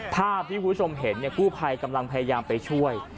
ภาพที่คุณผู้ชมเห็นกู้ภัยกำลังพยายามไปช่วย